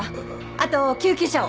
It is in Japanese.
あと救急車を。